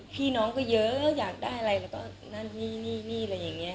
พี่น้องก็เยอะอยากได้อะไรแล้วก็นั่นนี่นี่อะไรอย่างนี้